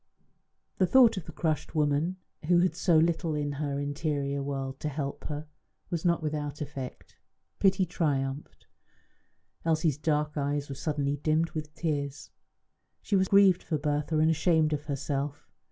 The thought of the crushed woman, who had so little in her interior world to help her, was not without effect. Pity triumphed. Elsie's dark eyes were suddenly dimmed with tears; she was grieved for Bertha and ashamed of herself.